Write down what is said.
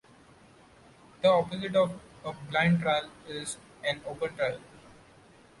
The opposite of a blind trial is an open trial.